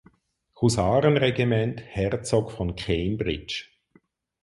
Husarenregiment "Herzog von Cambridge".